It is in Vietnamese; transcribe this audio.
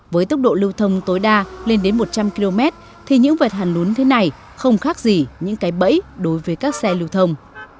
với tốc độ lưu thông tối đa lên đến một trăm linh km thì những vật hàn lún thế này không khác gì những cái bẫy đối với các xe lưu thông